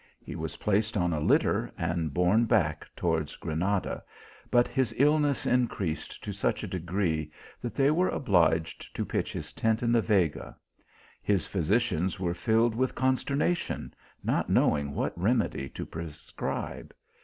He was placed on a litter, and borne back towards Granada, but his illness in creased to such a degree, that they were obliged to pitch his tent in the Vega. His physicians were filled with consternation, not knowing what remedy to prescribe.